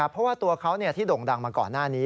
เพราะว่าตัวเขาที่โด่งดังมาก่อนหน้านี้